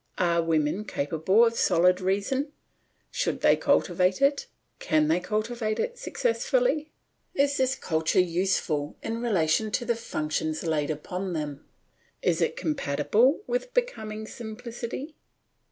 Are women capable of solid reason; should they cultivate it, can they cultivate it successfully? Is this culture useful in relation to the functions laid upon them? Is it compatible with becoming simplicity?